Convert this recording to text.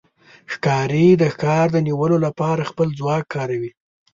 ښکاري د ښکار د نیولو لپاره خپل ځواک کاروي.